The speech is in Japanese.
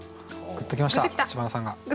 グッときました知花さんが。